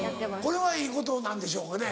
これはいいことなんでしょうかね